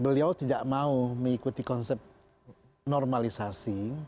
beliau tidak mau mengikuti konsep normalisasi